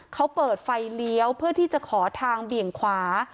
เขาเปิดไฟเลี้ยวเพื่อที่จะขอทางเบี่ยงขวา